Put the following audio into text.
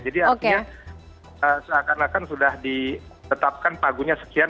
jadi artinya seakan akan sudah ditetapkan pagunya sekian